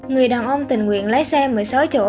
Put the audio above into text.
người đàn ông tình nguyện lái xe một mươi sáu chỗ